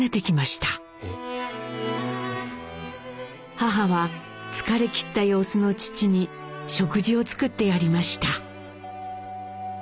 母は疲れきった様子の父に食事を作ってやりました。